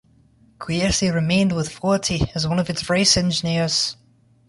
Guerci remained with Forti as one of its race engineers.